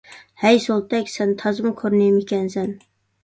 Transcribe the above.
ھەي سولتەك، سەن تازىمۇ كور نېمە ئىكەنسەن!